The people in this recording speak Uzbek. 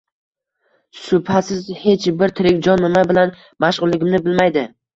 Shubhasiz, hech bir tirik jon nima bilan mashg`ulligimni bilmaydi